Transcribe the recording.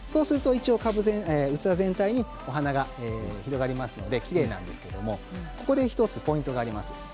一応、器全体にお花が広がりますのできれいなんですけれど１つポイントがあります。